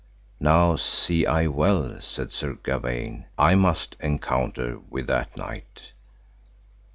Now see I well, said Sir Gawaine, I must encounter with that knight.